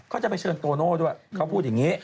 เขาจะไปเชิญโตโน่ด้วยเขาพูดอย่างนี้